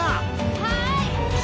はい！